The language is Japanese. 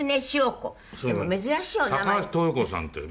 高橋豊子さんって昔の。